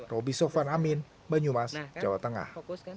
roby sofan amin banyumas jawa tengah